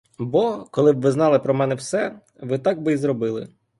Бо, коли б ви знали про мене все, ви так би й зробили.